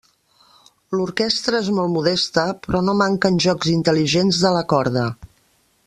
L'orquestra és molt modesta, però no manquen jocs intel·ligents de la corda.